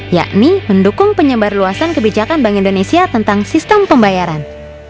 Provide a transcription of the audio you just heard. yakni mendukung penyebar luasan kebijakan bank indonesia tentang sistem pembayaran